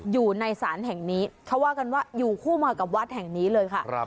อยู่ในศาลแห่งนี้เขาว่ากันว่าอยู่คู่มากับวัดแห่งนี้เลยค่ะ